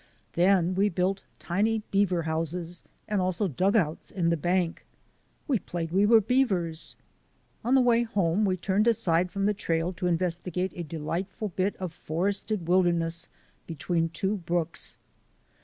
Then we built tiny beaver houses and also dugouts in the bank. We played we were beavers. On the way home we turned aside from the trail to investigate a delightful bit of forested wilder ness between two brooks.